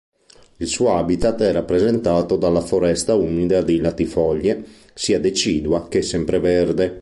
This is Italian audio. Il suo "habitat" è rappresentato dalla foresta umida di latifoglie, sia decidua che sempreverde.